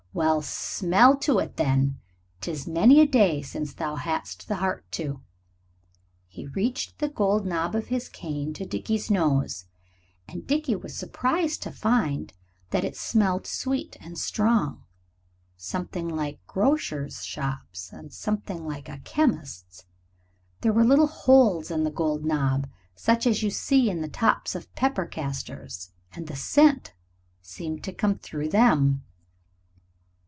Well, smell to it, then. 'Tis many a day since thou hadst the heart to." He reached the gold knob of his cane to Dickie's nose, and Dickie was surprised to find that it smelled sweet and strong, something like grocers' shops and something like a chemist's. There were little holes in the gold knob, such as you see in the tops of pepper castors, and the scent seemed to come through them.